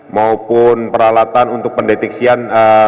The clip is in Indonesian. maupun peralatan untuk pendeteksian